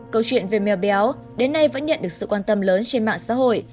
câu chuyện về mèo béo đến nay vẫn nhận được sự quan tâm lớn trên mạng xã hội